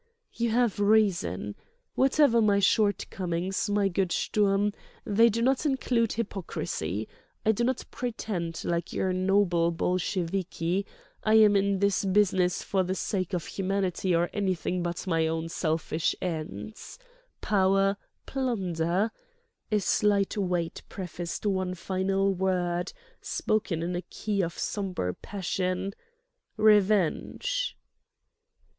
"You have reason. Whatever my shortcomings, my good Sturm, they do not include hypocrisy; I do not pretend, like your noble Bolsheviki, I am in this business for the sake of humanity or anything but my own selfish ends—power, plunder"—a slight wait prefaced one final word, spoken in a key of sombre passion—"revenge."